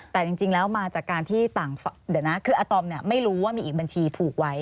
แต่จริงแล้วมาจากการที่ต่างเดี๋ยวนะคืออาตอมไม่รู้ว่ามีอีกบัญชีผูกไว้